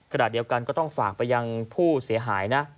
ขณะเดียวกันก็ต้องฝากไปยังผู้เสียหายนะ